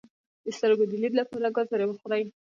د سترګو د لید لپاره ګازرې وخورئ